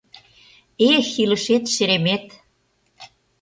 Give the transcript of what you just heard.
— Эх, илышет-шеремет!